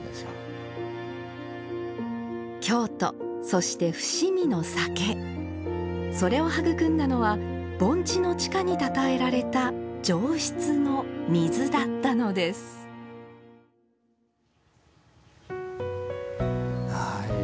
そして伏見の酒それを育んだのは盆地の地下にたたえられた上質の水だったのですはい。